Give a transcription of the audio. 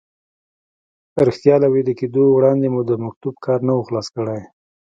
رښتیا له ویده کېدو وړاندې مو د مکتوب کار نه و خلاص کړی.